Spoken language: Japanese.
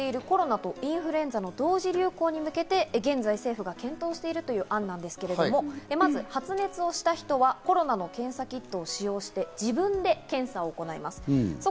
この冬に懸念されているコロナとインフルエンザの同時流行に向けて現在、政府が検討しているという案なんですけど、まず発熱した人はコロナの検査キットを使用して、自分で検査を行います。